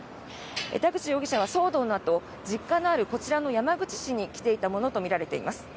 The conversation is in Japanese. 田口容疑者は騒動のあと実家のあるこちらの山口市に来ていたものとみられています。